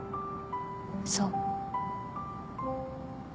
そう。